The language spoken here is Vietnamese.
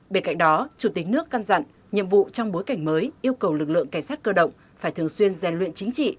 bên cạnh đó chủ tịch nước căn dặn nhiệm vụ trong bối cảnh mới yêu cầu lực lượng cảnh sát cơ động phải thường xuyên gian luyện chính trị